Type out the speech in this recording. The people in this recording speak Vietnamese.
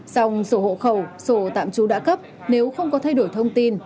xong sổ hộ khẩu sổ tạm trú đã cấp nếu không có thay đổi thông tin